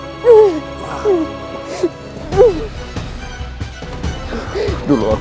ayo keluarkan jurus kalian